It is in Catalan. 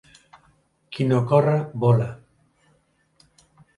Qui no corre, vola.